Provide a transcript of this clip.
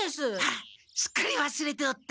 ああすっかりわすれておった！